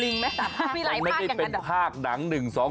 มีหลายภาคอย่างงั้นเหรอมันไม่ได้เป็นภาคหนัง๑๒๓๔